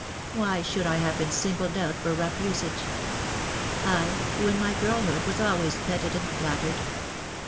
\Vhy should I have been singled out for rough usage? I, who in my girlhood was always petted and flattered